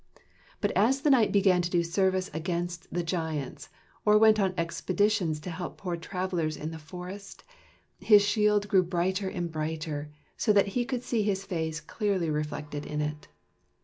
But as the knight began to do service against the giants, or went on expeditions to help poor travelers in the forest, his shield grew brighter and brighter, so that he could see his face clearly reflected in it.